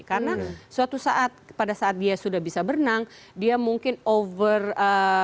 karena suatu saat pada saat dia sudah bisa berenang dia mungkin over reaction dan berpengaruh